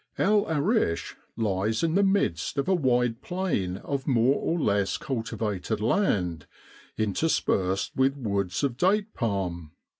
El Arish lies in the midst of a wide plain of more or less cultivated land, interspersed with woods of date palm.